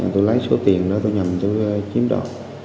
tôi lấy số tiền đó tôi nhầm tôi chiếm đó